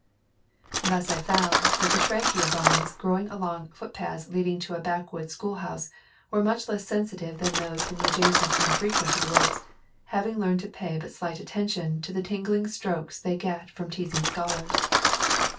Thus I found that the Schrankia vines growing along foot paths leading to a backwoods schoolhouse were much less sensitive than those in the adjacent unfrequented woods, having learned to pay but slight attention to the tingling strokes they get from teasing scholars.